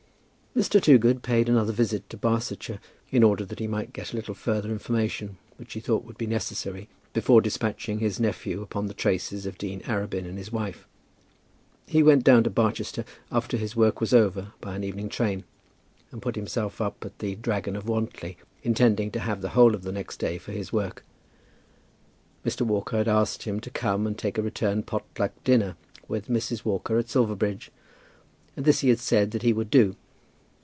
Mr. Toogood paid another visit to Barsetshire, in order that he might get a little further information which he thought would be necessary before despatching his nephew upon the traces of Dean Arabin and his wife. He went down to Barchester after his work was over by an evening train, and put himself up at "The Dragon of Wantly," intending to have the whole of the next day for his work. Mr. Walker had asked him to come and take a return pot luck dinner with Mrs. Walker at Silverbridge; and this he had said that he would do.